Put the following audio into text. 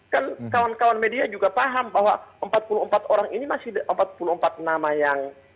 kan kawan kawan media juga paham bahwa empat puluh empat orang ini masih empat puluh empat nama yang